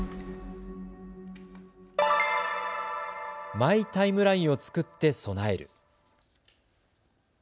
マイ・タイムラインを作って備える。